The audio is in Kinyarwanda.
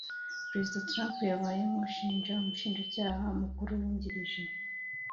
Perezida Trump yabaye nk'ushinja umushinjacyaha mukuru wungirije